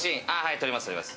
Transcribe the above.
撮ります。